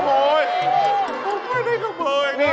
คุณพูดมาแล้ว